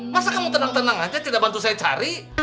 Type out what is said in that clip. masa kamu tenang tenang aja tidak bantu saya cari